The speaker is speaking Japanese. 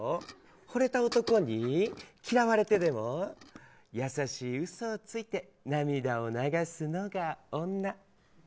惚れた男に嫌われてでも優しいうそをついて涙を流すのが女。